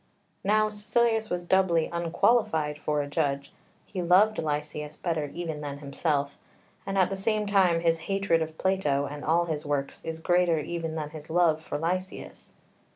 Now Caecilius was doubly unqualified for a judge: he loved Lysias better even than himself, and at the same time his hatred of Plato and all his works is greater even than his love for Lysias.